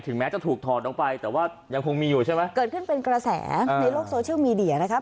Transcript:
แม้จะถูกถอดออกไปแต่ว่ายังคงมีอยู่ใช่ไหมเกิดขึ้นเป็นกระแสในโลกโซเชียลมีเดียนะครับ